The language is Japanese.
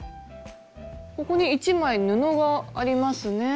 ここに一枚布がありますね。